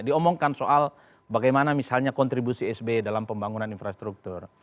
diomongkan soal bagaimana misalnya kontribusi sby dalam pembangunan infrastruktur